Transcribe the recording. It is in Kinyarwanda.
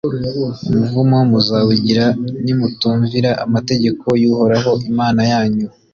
umuvumo muzawugira nimutumvira amategeko y’uhoraho imana yanyu,